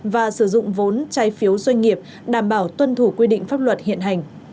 và sử dụng vốn trái phiếu doanh nghiệp đảm bảo tuân thủ quy định pháp luật hiện hành